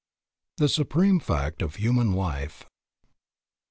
THE SUPREME FACT OF HUMAN LIFE.